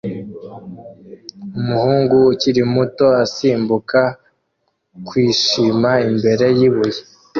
Umuhungu ukiri muto asimbuka kwishima imbere yibuye